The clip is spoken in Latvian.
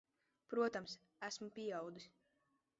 Protams. Esmu pieaudzis.